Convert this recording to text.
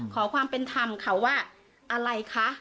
ขอความเป็นธรรมค่ะว่าอะไรคะ